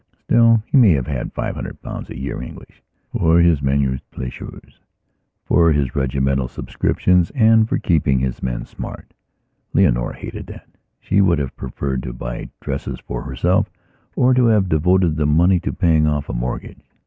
Still, he may have had five hundred pounds a year English, for his menus plaisirsfor his regimental subscriptions and for keeping his men smart. Leonora hated that; she would have preferred to buy dresses for herself or to have devoted the money to paying off a mortgage.